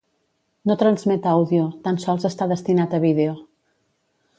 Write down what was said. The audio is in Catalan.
No transmet àudio, tan sols està destinat a vídeo.